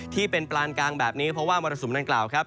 ที่เป็นปลานกลางแบบนี้เพราะว่ามรสุมดังกล่าวครับ